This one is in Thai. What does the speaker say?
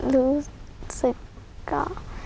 รู้สึกก็